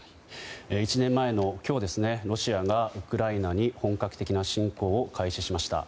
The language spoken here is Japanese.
１年前の今日ロシアがウクライナに本格的な侵攻を開始しました。